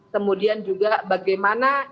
kemudian juga bagaimana